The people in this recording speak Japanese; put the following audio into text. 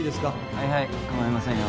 はいはい構いませんよ